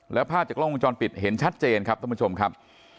แล้วภาพจากกล้องวงจรปิดเห็นชัดเจนครับท่านผู้ชมครับ